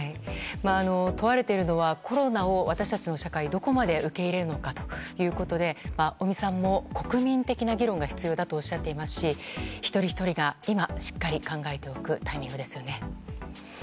問われているのはコロナを、私たちの社会がどこまで受け入れるのかということで尾身さんも国民的な議論が必要だとおっしゃっていますし一人ひとりが今、しっかり考えていくタイミングですよね。